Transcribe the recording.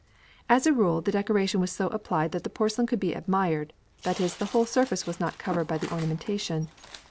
As a rule, the decoration was so applied that the porcelain could be admired that is, the whole surface was not covered by the ornamentation.